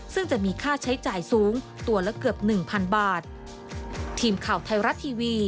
ซึ่งจะมีค่าใช้จ่ายสูงตัวละเกือบ๑๐๐๐บาท